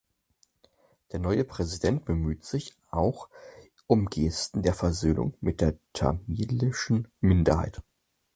Der neue Präsident bemühte sich auch um Gesten der Versöhnung mit der tamilischen Minderheit.